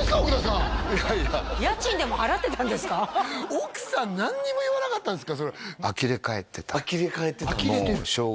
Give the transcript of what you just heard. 奥さん何にも言わなかったんですか？